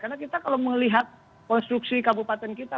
karena kita kalau melihat konstruksi kabupaten kita